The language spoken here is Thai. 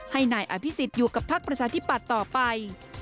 ให้นายอภิษฎอยู่กับพักประชาธิปัตย์ต่อไป